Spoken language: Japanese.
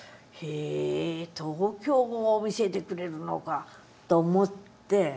へえ東京を見せてくれるのかと思って。